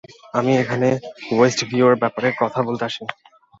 আমি এখানে ওয়েস্টভিউ এর ব্যাপারে কথা বলতে আসিনি।